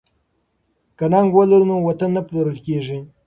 که ننګ ولرو نو وطن نه پلورل کیږي.